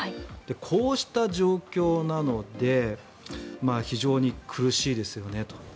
こうした状況なので非常に苦しいですよねと。